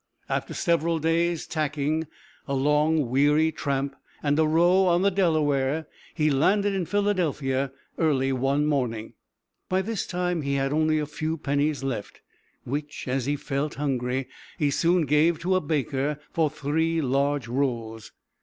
After several days' tacking, a long, weary tramp, and a row on the Delaware, he landed in Philadelphia early one morning. By this time he had only a few pennies left, which, as he felt hungry, he soon gave to a baker for three large rolls.